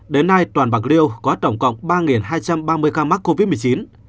đến nay toàn bạc liêu có tổng cộng ba hai trăm ba mươi ca mắc covid một mươi chín